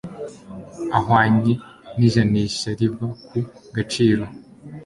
ahwanye n'ijanisha riva ku gaciro